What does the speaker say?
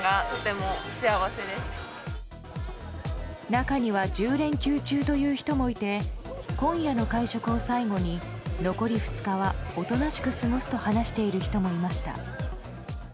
中には１０連休中という人もいて今夜の会食を最後に残り２日はおとなしく過ごすと話している人もいました。